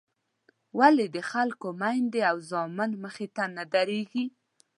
ولې د خلکو میندې او زامن مخې ته نه درېږي.